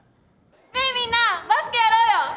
ねえみんなバスケやろうよ